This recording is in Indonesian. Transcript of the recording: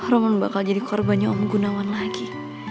romo bakal jadi korbannya om gunawan lagi